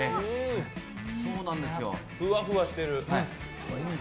ふわふわしてる。